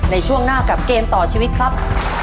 ในช่วงหน้ากับเกมต่อชีวิตครับ